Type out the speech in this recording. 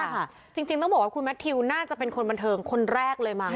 ใช่ค่ะจริงต้องบอกว่าคุณแมททิวน่าจะเป็นคนบันเทิงคนแรกเลยมั้